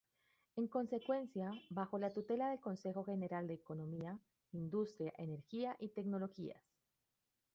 Se encuentra bajo la tutela del Consejo general de economía, industria, energía y tecnologías.